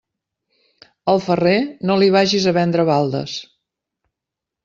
Al ferrer, no li vagis a vendre baldes.